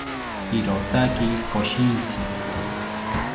irotaki koshintzi